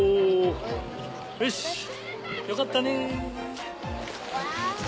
よしよかったね。